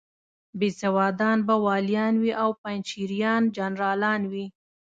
بېسوادان به والیان وي او پنجشیریان جنرالان وي.